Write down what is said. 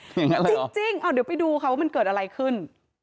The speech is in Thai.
จริงจริงอ่อเดี๋ยวไปดูค่ะว่ามันเกิดอะไรขึ้น